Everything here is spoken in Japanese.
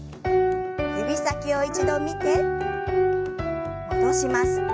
指先を一度見て戻します。